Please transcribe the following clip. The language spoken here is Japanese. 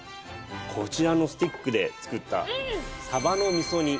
こちらのスティックで作ったさばの味噌煮。